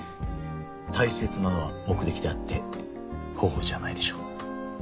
大切なのは目的であって方法じゃないでしょう。